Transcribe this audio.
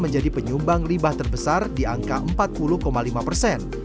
jadi penyumbang limbah terbesar di angka empat puluh lima persen